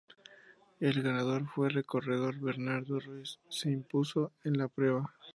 El ganador fue el corredor Bernardo Ruiz se impuso en la prueba.